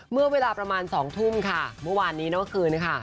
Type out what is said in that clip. เมื่อเวลาประมาณ๒ทุ่มค่ะเมื่อวานนี้เมื่อคืนค่ะ